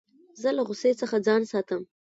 زه له غوسې څخه ځان ساتم.